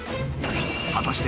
［果たして］